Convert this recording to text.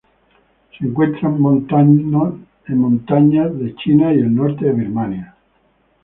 Se encuentra en montanos de China y el norte de Birmania.